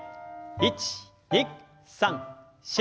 １２３４。